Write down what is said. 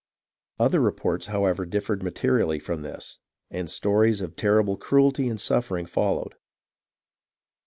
Other reports, however, differed materially from this, and stories of terrible cruelty and suffering followed.